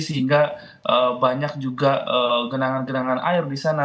sehingga banyak juga genangan genangan air di sana